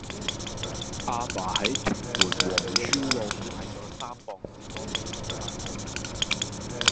亞爸喺屯門皇珠路買左三磅士多啤梨返屋企